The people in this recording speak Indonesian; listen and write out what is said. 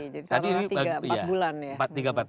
jadi karena tiga empat bulan ya